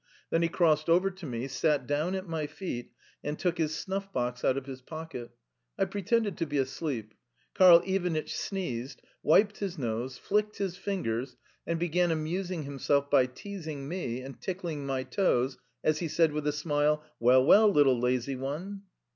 Then he crossed over to me, sat down at my feet, and took his snuff box out of his pocket. I pretended to be asleep. Karl Ivanitch sneezed, wiped his nose, flicked his fingers, and began amusing himself by teasing me and tickling my toes as he said with a smile, "Well, well, little lazy one!"